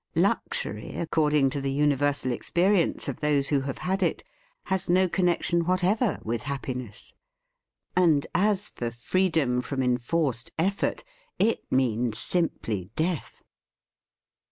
Luxury, accord ing to the universal experience of those who have had it, has no connection whatever with happiness. And as for freedom from enforced effort, it means simply death.